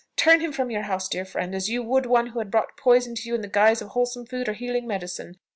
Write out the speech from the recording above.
turn him from your house, dear friend, as you would one who brought poison to you in the guise of wholesome food or healing medicine.